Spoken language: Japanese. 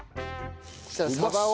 そしたらさばを。